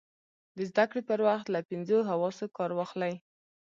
د زده کړې پر وخت له پینځو حواسو کار واخلئ.